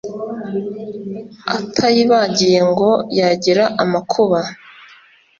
atayibagiye ngo yagira amakuba